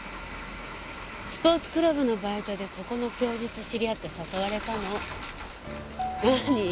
スポーツクラブのバイトでここの教授と知りあって誘われたのなに？